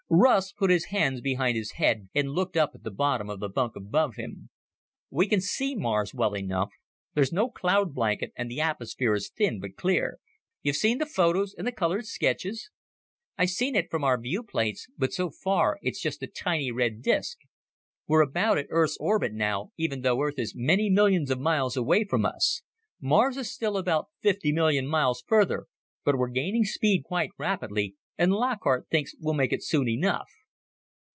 Russ put his hands behind his head and looked up at the bottom of the bunk above him. "We can see Mars well enough; there's no cloud blanket and the atmosphere is thin but clear. You've seen the photos and the colored sketches?" "I've seen it from our viewplates, but so far it's just a tiny, red disc. We're about at Earth's orbit now, even though Earth is many millions of miles away from us. Mars is still about fifty million miles further, but we're gaining speed quite rapidly and Lockhart thinks we'll make it soon enough."